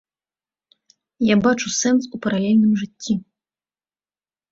Я бачу сэнс у паралельным жыцці.